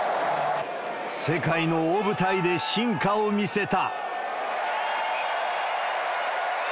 世界の大舞台で真価を見せた。